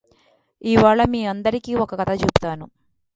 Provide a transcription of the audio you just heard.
ఇవాళ మీ అందరికి ఒక కథ చెపుతాను